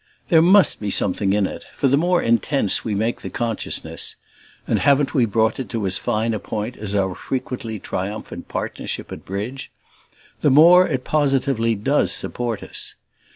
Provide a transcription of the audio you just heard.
There must be something in it, for the more intense we make the consciousness and haven't we brought it to as fine a point as our frequently triumphant partnership at bridge? the more it positively does support us.